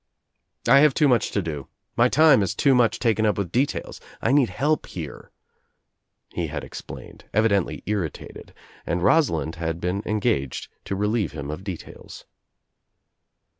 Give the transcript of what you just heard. "I have too much to do. My time Is too I much taken up with details, I need help here," he had ' explained, evidently irritated, and Rosalind had been engaged to relieve him of details.